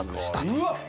うわっ！